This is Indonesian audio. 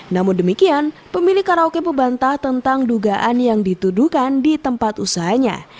namun demikian pemilik karaoke membantah tentang dugaan yang dituduhkan di tempat usahanya